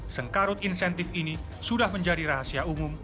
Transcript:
sengkarut insentif ini sudah menjadi rahasia umum